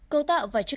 cấu tạo và chức năng